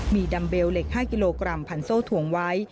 ดัมเบลเหล็ก๕กิโลกรัมพันโซ่ถวงไว้